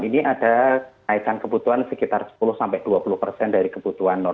ini salah satu